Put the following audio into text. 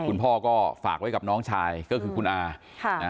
คุณพ่อก็ฝากไว้กับน้องชายก็คือคุณอาค่ะนะ